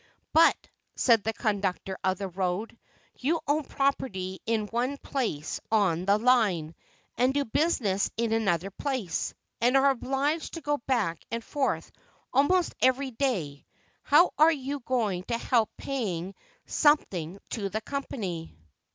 "But," said the conductor of the road, "you own property in one place on the line, and do business in another place, and are obliged to go back and forth almost every day: how are you going to help paying something to the company?"